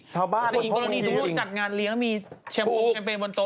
ชาวบ้านกรณีสู่จัดงานเลี้ยงมีแชมป์วงแคมเปญบนโต๊ะ